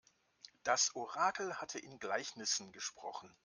Das Orakel hatte in Gleichnissen gesprochen.